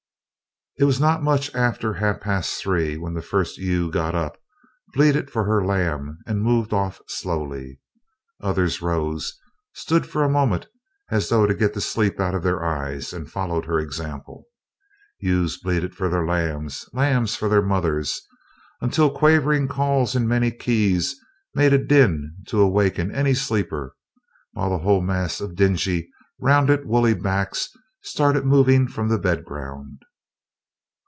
It was not much after half past three when the first ewe got up, bleated for her lamb, and moved off slowly. Others rose, stood a moment as though to get the sleep out of their eyes, and followed her example. Ewes bleated for their lambs, lambs for their mothers, until quavering calls in many keys made a din to awaken any sleeper, while the whole mass of dingy, rounded woolly backs started moving from the bed ground.